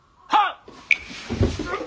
はっ！